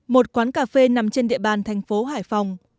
một quán cà phê nằm trên địa bàn thành phố hải phòng